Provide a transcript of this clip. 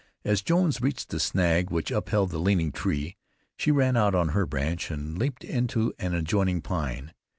As Jones reached the snag which upheld the leaning tree, she ran out on her branch, and leaped into an adjoining pine.